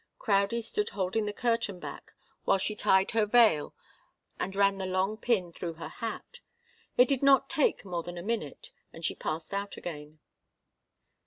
Crowdie stood holding the curtain back while she tied her veil and ran the long pin through her hat. It did not take more than a minute, and she passed out again.